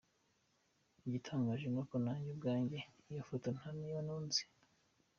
Igitangaje ni uko nanjye ubwanjye iyo foto ntaniyo ntunze”.